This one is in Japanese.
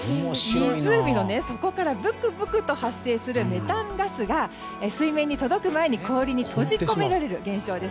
湖の底からブクブクと発生するメタンガスが水面に届く前に氷に閉じ込められる現象です。